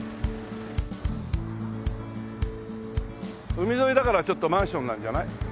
海沿いだからちょっとマンションなんじゃない？